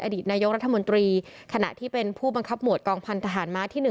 อดีตนายกรัฐมนตรีขณะที่เป็นผู้บังคับหมวดกองพันธหารม้าที่๑